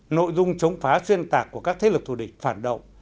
nội dung chống phá xuyên tạc của các thế lực thù địch phản động